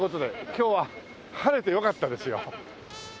今日は晴れて良かったですよ。